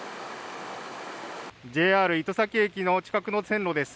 ＪＲいとさき駅の近くの線路です。